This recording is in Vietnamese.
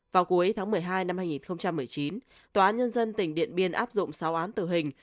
vào cuối tháng một mươi hai năm hai nghìn một mươi chín tòa án nhân dân tỉnh điện biên áp dụng sáu án tử hình